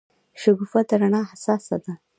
شګوفه د رڼا حساسه ده.